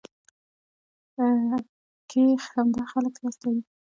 کې همدا خلک لاس لري.